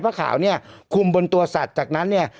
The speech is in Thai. ขาวเนี่ยคุมบนตัวสัตว์จากนั้นเนี่ย